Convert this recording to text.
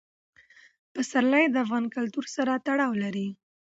پسرلی د افغان کلتور سره تړاو لري.